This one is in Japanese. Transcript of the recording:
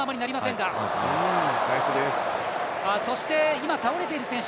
今、倒れている選手